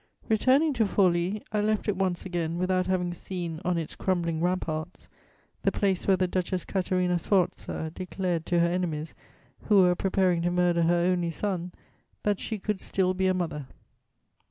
_ "Returning to Forli, I left it once again without having seen on its crumbling ramparts the place where the Duchess Caterina Sforza declared to her enemies, who were preparing to murder her only son, that she could still be a mother.